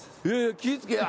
気ぃ付けやー。